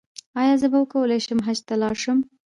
ایا زه به وکولی شم حج ته لاړ شم؟